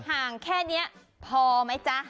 ห่างแค่เนี่ยพอมั้ยจ๊ะ